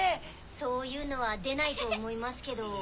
そういうのは出ないと思いますけど。